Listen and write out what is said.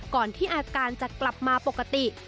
ก่อนที่อาการจะกลับมาปกติ